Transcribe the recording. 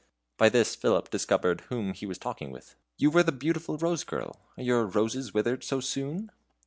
By this Philip discovered whom he was talking with. "You were the beautiful Rose girl; are your roses withered so soon?"